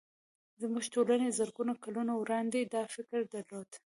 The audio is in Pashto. زموږ ټولنې زرګونه کلونه وړاندې دا فکر درلود